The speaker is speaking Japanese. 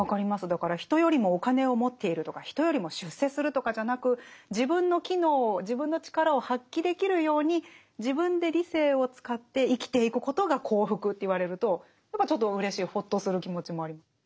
だから人よりもお金を持っているとか人よりも出世するとかじゃなく自分の機能自分の力を発揮できるように自分で理性を使って生きていくことが幸福と言われるとちょっとうれしいほっとする気持ちもあります。